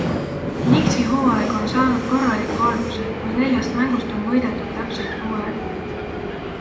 Knicksi hooaeg on saanud korraliku alguse, kui neljast mängust on võidetud täpselt pooled.